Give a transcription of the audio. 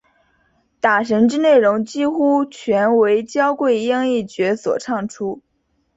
打神之内容几乎全为焦桂英一角所唱出。